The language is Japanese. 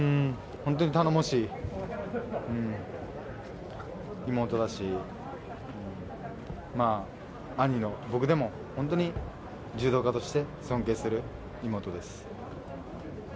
本当に頼もしい妹だし兄の僕でも本当に柔道家として尊敬する妹です。